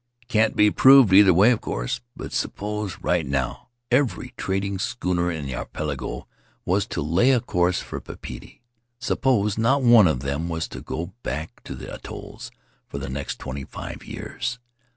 Can't be proved either way, of course. But suppose, right now, every trading schooner in the archipelago was to lay a course for Papeete. Suppose not one of them was to go back to the atolls for the next twenty five years.